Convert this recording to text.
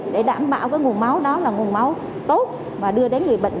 để đảm bảo cái nguồn máu đó là nguồn máu tốt và đưa đến người bệnh